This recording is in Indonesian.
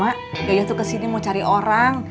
iya ma ciyoyo tuh kesini mau cari orang